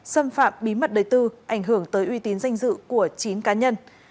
xâm phạm bí mật đời tư ảnh hưởng tới uy tín danh dự của chín cá nhân